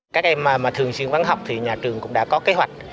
các em thường xuyên vắng học thì nhà trường cũng đã có kế hoạch